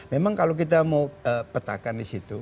memang kalau kita mau petakan disitu